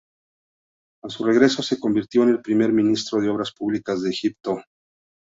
A su regreso, se convirtió en el primer ministro de obras públicas de Egipto.